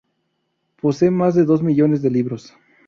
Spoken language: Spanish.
Posee más de dos millones de libros.